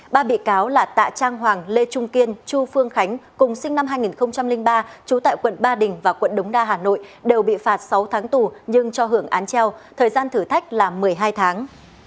ba bị cáo là tạ trang hoàng lê trung kiên chu phương khánh cùng sinh năm hai nghìn ba trú tại quận ba đình và quận đống đa hà nội đều bị phạt sáu tháng tù nhưng cho hưởng án treo thời gian thử thách là một mươi hai tháng